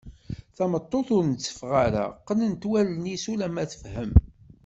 Tameṭṭut ur nteffeɣ ara qqnent wallen-is ulamma tefhem.